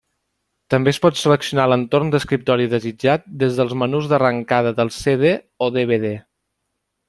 També es pot seleccionar l'entorn d'escriptori desitjat des dels menús d'arrencada dels CD o DVD.